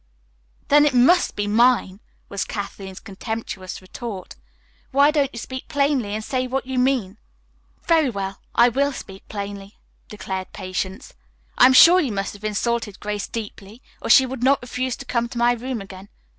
"Then it must be mine," was Kathleen's contemptuous retort. "Why don't you speak plainly and say what you mean?" "Very well, I will speak plainly," declared Patience. "I am sure you must have insulted Grace deeply or she would not refuse to come to my room again.